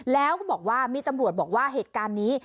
แล้วก็บอกว่ามีตำรวจบอกว่าเหตุการณ์นี้